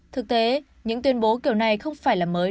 thực tế những tuyên bố kiểu này không phải là mới